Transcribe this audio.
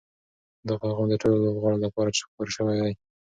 دا پیغام د ټولو لوبغاړو لپاره خپور شوی دی.